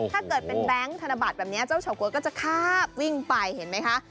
ถ้าเกิดเป็นแบงค์ธนบัตรแบบนี้เจ้าเฉาก๊วยก็จะคาบวิ่งไปเห็นไหมคะ